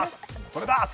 これだ！